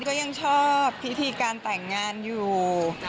ก็ยังชอบพิธีการแต่งงานอยู่